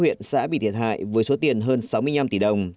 huyện xã bị thiệt hại với số tiền hơn sáu mươi năm tỷ đồng